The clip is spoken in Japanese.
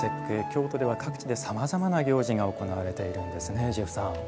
京都では各地でさまざまな行事が行われているんですね。